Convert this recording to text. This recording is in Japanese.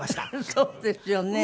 そうですよね。